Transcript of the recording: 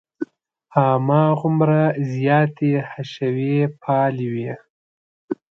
هماغومره زیاتې حشوي پالې وې.